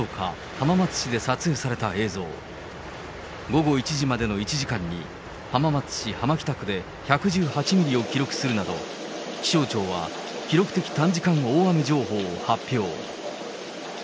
午後１時までの１時間に、浜松市浜北区で１１８ミリを記録するなど、気象庁は、記録的短時間大雨情報を発表。